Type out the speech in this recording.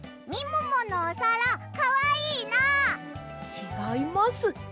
ちがいます。